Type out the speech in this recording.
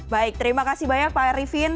baik terima kasih banyak pak arifin